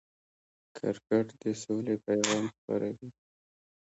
کرکټ د سولې پیغام خپروي.